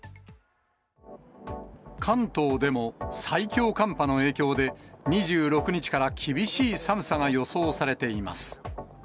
関東でも最強寒波の影響で、２６日から厳しい寒さが予想されています。